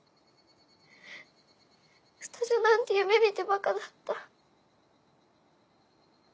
二女なんて夢見てバカだった。